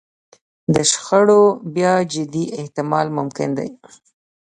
د شخړو بیا جدي احتمال ممکن دی.